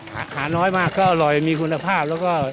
หาน้อยมากก็อร่อยมีคุณภาพแล้วก็